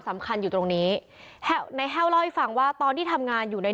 สำคัญอยู่ตรงนี้ในแห้วเล่าให้ฟังว่าตอนที่ทำงานอยู่ใน